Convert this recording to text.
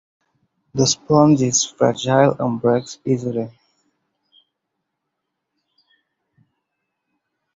The sponge is fragile and breaks easily.